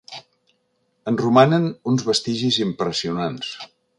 En romanen uns vestigis impressionants.